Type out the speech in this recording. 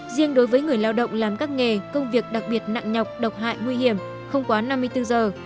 riêng đối với người lao động làm các nghề công việc đặc biệt nặng nhọc độc hại nguy hiểm không quá năm mươi bốn giờ